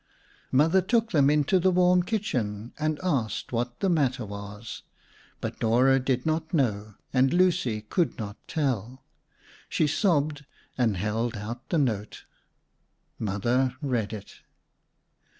Mother took them into the warm kitchen and asked what the matter was, but Dora did not know, and Lucy could not tell. She sobbed and held out the note. Mother read it.